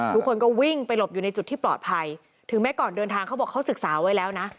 ทุกคนก็วิ่งไปหลบอยู่ในจุดที่ปลอดภัยถึงแม้ก่อนเดินทางเขาบอกเขาศึกษาไว้แล้วนะ